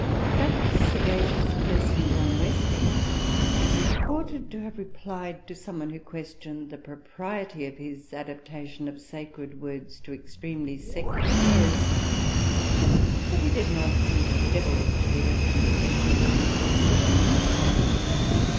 That sagacious person John Wesley, is reported to have replied to some one who questioned the propriety of his adaptation of sacred words to extremely secular airs, that he did not see why the Devil should be left in possession of all the best tunes.